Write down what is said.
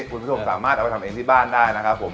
คุณผู้ชมสามารถเอาไปทำเองที่บ้านได้นะครับผม